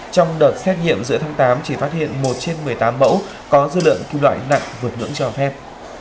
trong đợt xét nghiệm giữa tháng tám chỉ phát hiện một trên một mươi tám mẫu có dư lượng kim loại nặng vượt ngưỡng cho phép